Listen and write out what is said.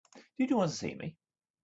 Did you want to see me?